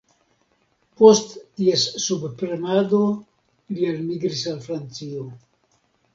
Post ties subpremado, li elmigris al Francio.